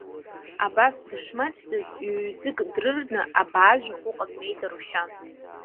Абас дышмаҷӡаз ҩҩ-ӡык дрырны, Абаажә ахәыҟа днеит Арушьан.